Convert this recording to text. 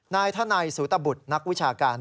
นายธนัยสูตบุตรนักวิชาการ